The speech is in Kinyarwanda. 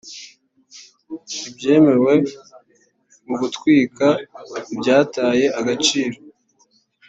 ibyemewe mu gutwika ibyataye agaciro